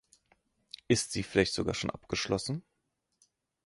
Ist sie vielleicht sogar schon abgeschlossen?